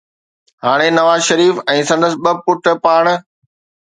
هاڻي نواز شريف ۽ سندس ٻه پٽ پاڻ